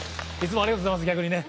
ありがとうございます。